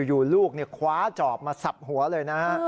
อยู่ลูกคว้าจอบมาสับหัวเลยนะฮะ